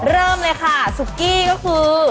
เริ่มเลยค่ะซุกี้ก็คือ